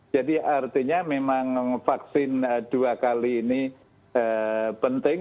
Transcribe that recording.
jadi artinya memang vaksin dua kali ini penting